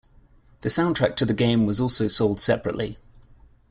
The soundtrack to the game was also sold separately.